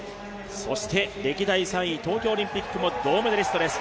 そして、歴代３位東京オリンピックも銅メダリストです。